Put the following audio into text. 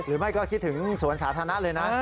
หรือไม่ก็คิดถึงสวนสาธารณะเลยนะ